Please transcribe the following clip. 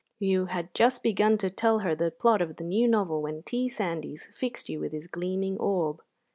You had just begun to tell her the plot of the new novel when T. Sandys fixed you with his gleaming orb.